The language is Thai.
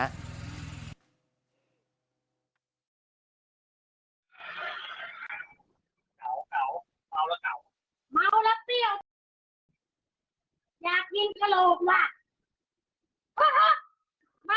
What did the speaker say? อยากกินกะโลกว่ะ